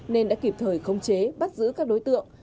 nên đã kịp thời khống chế bắt giữ các đối tượng